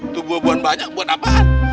itu buah buahan banyak buat apaan